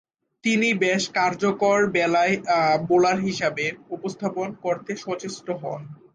তিনি বেশ কার্যকর বোলার হিসেবে উপস্থাপন করতে সচেষ্ট হন।